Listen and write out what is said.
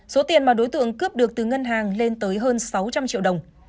số tiền mà đối tượng cướp được từ ngân hàng lên tới hơn sáu trăm linh triệu đồng